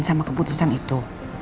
sama keputusan itu